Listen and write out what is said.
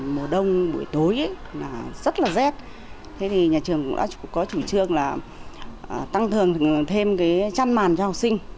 mùa đông buổi tối rất là rét thế thì nhà trường cũng có chủ trương là tăng thường thêm chăn màn cho học sinh